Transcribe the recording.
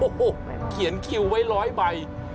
โอ้โหเขียนคิวไว้๑๐๐ใบ